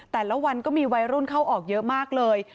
แต่ละวันก็มีวัยรุ่นเข้าออกเยอะมากเลย